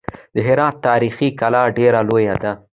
د هرات تاریخي کلا ډېره لویه ده.